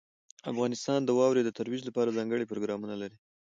افغانستان د واورې د ترویج لپاره ځانګړي پروګرامونه لري.